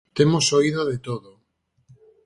Temos oído de todo.